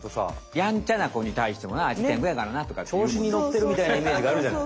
やんちゃなこにたいしてもな「あいつテングやからな」とかって。調子にのってるみたいなイメージがあるじゃない。